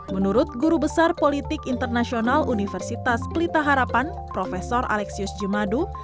menurut guru besar politik internasional universitas pelita harapan prof alexius jemadu